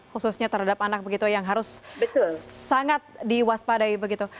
khususnya terhadap anak begitu yang harus sangat diwaspadai begitu